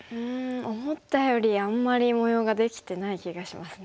思ったよりあんまり模様ができてない気がしますね。